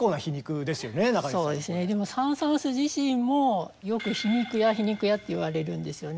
でもサン・サーンス自身もよく皮肉屋皮肉屋っていわれるんですよね。